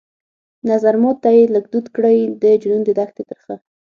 نظرمات ته يې لږ دود کړى د جنون د دښتي ترخه